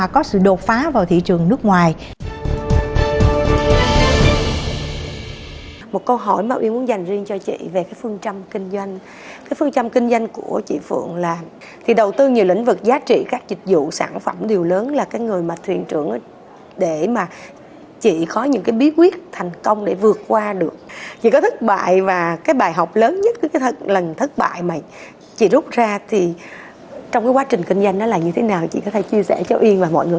chị có thể chia sẻ cho yên và mọi người cùng nghe